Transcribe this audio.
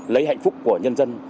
lấy hạnh phúc của nhân dân